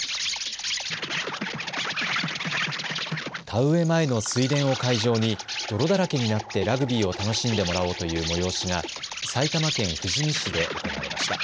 田植え前の水田を会場に泥だらけになってラグビーを楽しんでもらおうという催しが埼玉県富士見市で行われました。